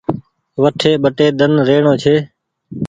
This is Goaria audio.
وٺي ٻٽي ۮن رهڻو ڇي